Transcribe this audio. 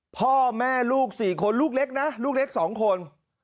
พ่อแม่ลูก๔คนลูกเล็กนะลูกเล็ก๒คน